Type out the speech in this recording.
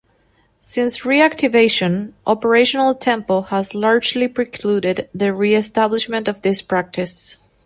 Since re-activation, operational tempo has largely precluded the re-establishment of this practice.